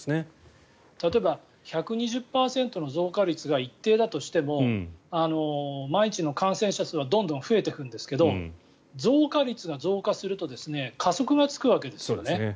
例えば１２０％の増加率が一定だとしても毎日の感染者数はどんどん増えてくんですけど増加率が増加すると加速がつくわけですよね。